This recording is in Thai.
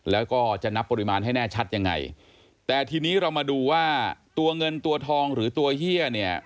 แล้วก็จะนับปริมาณให้แน่ชัดยังไงแต่ทีนี้เรามาดูว่าตัวเงินตัวทองหรือตัวเฮียเนี่ย